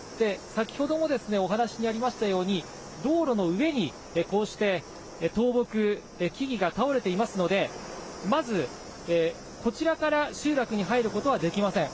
先ほどもお話にありましたように、道路の上にこうして倒木、木々が倒れていますので、まずこちらから集落に入ることはできません。